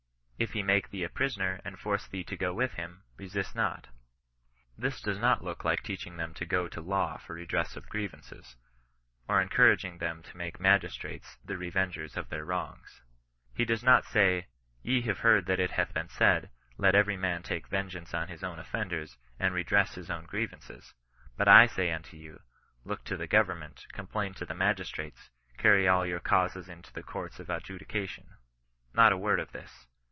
If he make thee a 'prisoner and force thee to go with him^ resist not This does not look like teaching them to go to law for redress of grievances, or encouraging them to make magistrates the revengers of their wrongs. He does not say '^ Ye have heard that it hath been said, let every man take vengeance on his own offenders, and re dress his own grievances ; but I say unto you, look to the government, complain to the magistrates, carry all your causes into the courts for adjudication." l^ot a word of this.